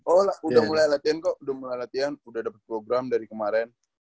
oh udah mulai latihan kok udah mulai latihan udah dapat program dari kemarin